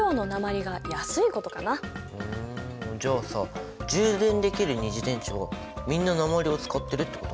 ふんじゃあさ充電できる二次電池はみんな鉛を使ってるってこと？